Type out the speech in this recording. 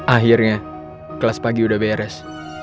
akhirnya kelas pagi udah beres